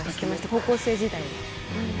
高校生時代も。